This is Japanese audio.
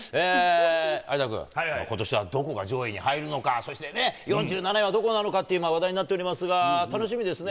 有田君、ことしはどこが上位に入るのか、そしてね、４７位はどこなのかって今、話題になっておりますが、楽しみですね。